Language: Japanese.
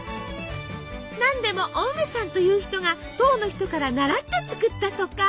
何でもお梅さんという人が唐の人から習って作ったとか。